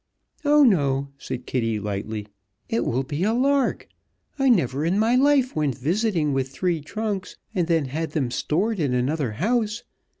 "Oh, no!" said Kitty, lightly. "It will be a lark. I never in my life went visiting with three trunks, and then had them stored in another house.